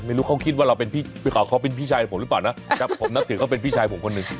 ไม่รู้เขาคิดว่าเขาเป็นพี่ชายของผมหรือเปล่านะจับผมนักถือก็เป็นพี่ชายของผมคนหนึ่ง